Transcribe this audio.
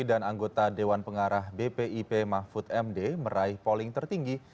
dan anggota dewan pengarah bpip mahfud md meraih polling tertinggi